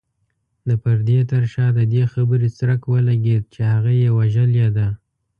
د پردې تر شا د دې خبرې څرک ولګېد چې هغه يې وژلې ده.